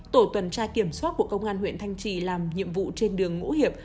tổ tuần tra kiểm soát của công an huyện thanh trì làm nhiệm vụ trên đường ngũ hiệp